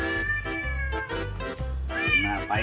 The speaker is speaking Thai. เดินเดินหน้าไป